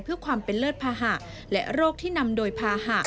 เพื่อความเป็นเลิศภาหะและโรคที่นำโดยภาหะ